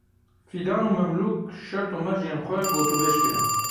Fîdan û Memlûk şert û mercên xwe gotûbêj kirin.